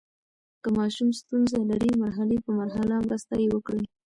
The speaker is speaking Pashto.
که ماشوم ستونزه لري، مرحلې په مرحله مرسته یې وکړئ.